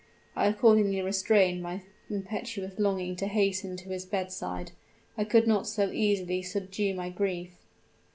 I accordingly restrained my impetuous longing to hasten to his bedside: I could not so easily subdue my grief!